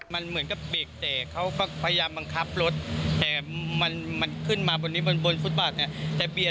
มันเหมือนกับเบรกแตกเขาก็พยายามบังคับรถแต่มันขึ้นมาบนนี้บนฟุตบาทเนี่ย